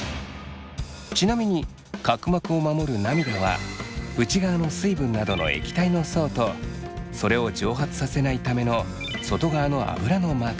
ちなみに角膜を守る涙は内側の水分などの液体の層とそれを蒸発させないための外側のアブラの膜